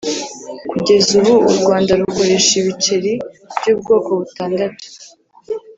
Kugeza ubu u Rwanda rukoresha ibiceli by’ubwoko butandatu